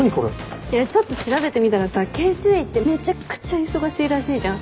ちょっと調べてみたらさ研修医ってめちゃくちゃ忙しいらしいじゃん。